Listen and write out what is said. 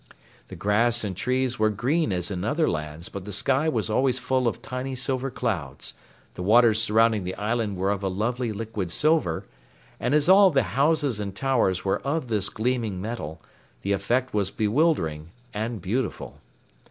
The grass and trees were green as in other lands, but the sky as always full of tiny silver clouds, the waters surrounding the island were of a lovely liquid silver, and as all the houses and towers were of this gleaming metal, the effect was bewildering and beautiful.